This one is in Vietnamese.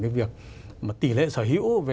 cái việc tỷ lệ sở hữu